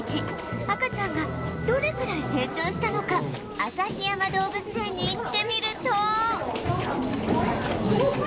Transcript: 赤ちゃんがどれくらい成長したのか旭山動物園に行ってみると